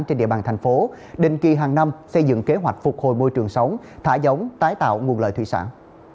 trên địa bàn thành phố đình kỳ hàng năm xây dựng kế hoạch phục hồi môi trường sống thả giống tái tạo nguồn lợi thủy sản